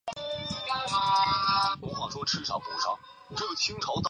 沙峡谷是位于美国加利福尼亚州克恩县的一个非建制地区。